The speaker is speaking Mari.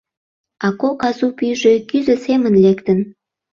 А кок азу пӱйжӧ кӱзӧ семын лектын.